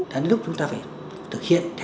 đến lúc chúng ta phải thực hiện